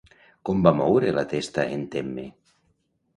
Com va moure la testa en Temme?